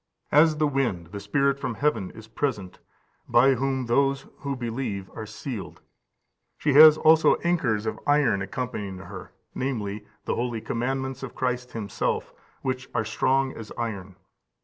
As the wind the Spirit from heaven is present, by whom those who believe are sealed: she has also anchors of iron accompanying her, viz., the holy commandments of Christ Himself, which are strong as iron.